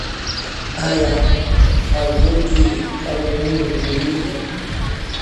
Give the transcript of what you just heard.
آیا ښارګوټي قانوني جوړیږي؟